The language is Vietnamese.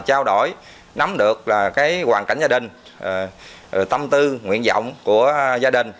trao đổi nắm được hoàn cảnh gia đình tâm tư nguyện vọng của gia đình